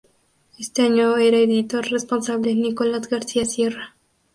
Ese año era editor responsable Nicolás García Sierra.